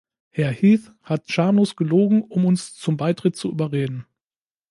Herr Heath hat schamlos gelogen, um uns zum Beitritt zu überreden.